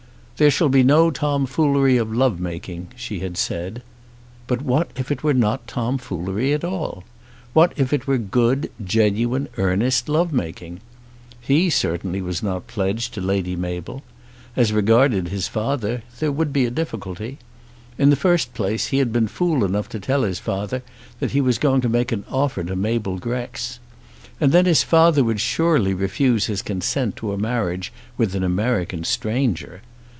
"There shall be no tomfoolery of love making," she had said. But what if it were not tomfoolery at all? What if it were good, genuine, earnest love making? He certainly was not pledged to Lady Mabel. As regarded his father there would be a difficulty. In the first place he had been fool enough to tell his father that he was going to make an offer to Mabel Grex. And then his father would surely refuse his consent to a marriage with an American stranger.